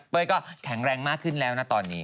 ก็แข็งแรงมากขึ้นแล้วนะตอนนี้